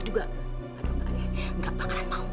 aduh enggak enggak enggak bakalan maupun